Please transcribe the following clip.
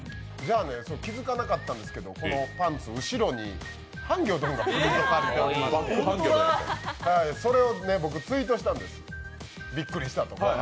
気づかなかったんですけどこのパンツ、後ろにハンギョドンがプリントされておりまして、それを僕ツイートしたんです、ビックリしたと。